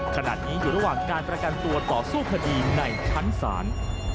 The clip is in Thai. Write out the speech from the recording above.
ขณะนี้อยู่ระหว่างการประกันตัวต่อสู้คดีในชั้นศาล